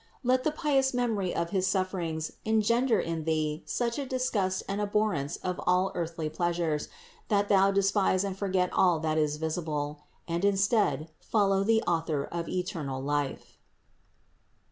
Let the pious memory of his sufferings en gender in thee such a disgust and abhorrence of all earthly pleasures that thou despise and forget all that is visible, and instead, follow the Author of eternal life.